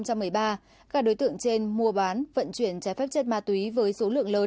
các đối tượng trên mua bán vận chuyển trái phép chất ma túy với số lượng lớn